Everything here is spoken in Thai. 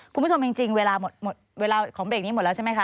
คุณผู้ชมจริงเวลาหมดเวลาของเบรกนี้หมดแล้วใช่ไหมคะ